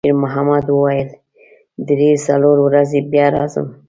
شېرمحمد وویل: «درې، څلور ورځې بیا راځم.»